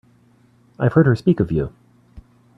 I've heard her speak of you.